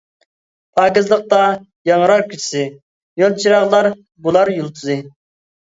پاكىزلىقتا ياڭرار كېچىسى، يول چىراغلار بۇلار يۇلتۇزى.